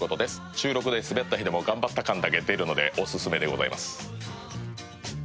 収録で滑った日でも頑張った感が出るのでお勧めでございます。